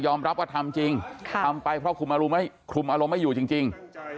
ยอมรับว่าทำจริงทำไปเพราะคุมอารมณ์ไม่อยู่จริง